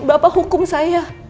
bapak hukum saya